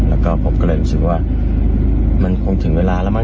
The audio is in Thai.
แล้วก็ผมก็เลยรู้สึกว่ามันคงถึงเวลาแล้วมั